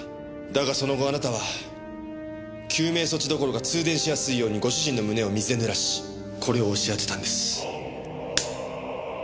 だがその後あなたは救命措置どころか通電しやすいようにご主人の胸を水でぬらしこれを押し当てたんです。